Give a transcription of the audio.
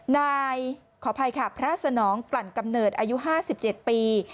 นายขออภัยค่ะพระสนองกลั่นกำเนิดอายุ๕๗ปี